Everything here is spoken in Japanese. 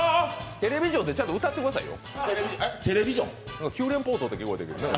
テレビジョンってちゃんと歌ってくださいよ。